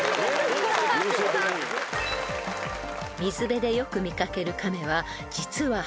［水辺でよく見掛けるカメは実は爬虫類］